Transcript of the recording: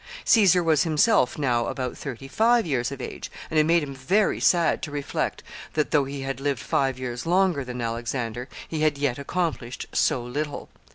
Caesar was himself now about thirty five years of age, and it made him very sad to reflect that, though he had lived five years longer than Alexander, he had yet accomplished so little.